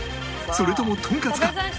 それともとんかつか？